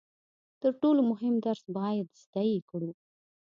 تر ټولو مهم درس باید زده یې کړو.